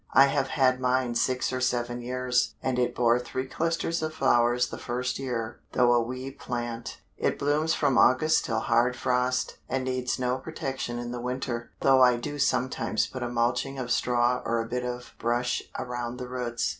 I have had mine six or seven years, and it bore three clusters of flowers the first year, though a wee plant. It blooms from August till hard frost, and needs no protection in the winter, though I do sometimes put a mulching of straw or a bit of brush around the roots.